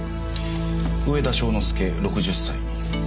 「上田庄之助６０歳」。